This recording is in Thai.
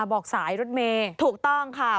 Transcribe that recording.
บอกสายรถเมย์ถูกต้องค่ะ